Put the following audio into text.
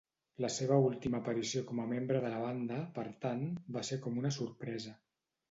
La seva última aparició com a membre de la banda, per tant, va ser com una sorpresa.